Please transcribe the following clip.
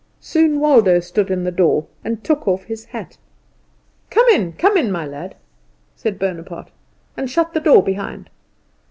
Soon Waldo stood in the door, and took off his hat. "Come in, come in, my lad," said Bonaparte, "and shut the door behind."